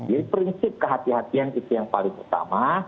jadi prinsip kehatian itu yang paling utama